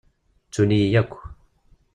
Ttun-iyi akk.